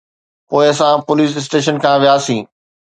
پوءِ اسان police station کان وياسين.